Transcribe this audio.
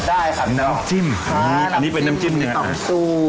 ได้ค่ะคุณพ่อน้ำจิ้มอันนี้เป็นน้ำจิ้มเนื้อครับน้ำจิ้ม